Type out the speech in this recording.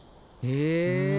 へえ。